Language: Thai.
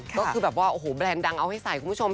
ก็คือแบบว่าโอ้โหแบรนด์ดังเอาให้ใส่คุณผู้ชม